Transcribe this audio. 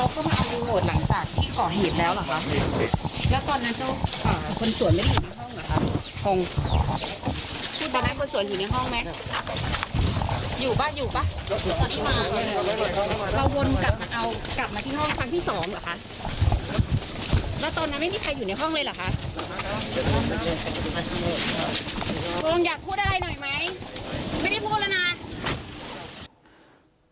พวกมันอยากพูดอะไรหน่อยไหมไม่ได้พูดเลยนะ